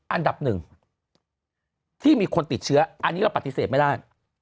อันดับหนึ่งที่มีคนติดเชื้ออันนี้เราปฏิเสธไม่ได้